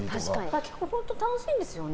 本当楽しいんですよね。